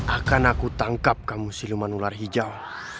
akan aku tangkap kamu siluman ular hijau